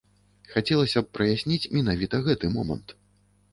Хацелася б праясніць менавіта гэты момант.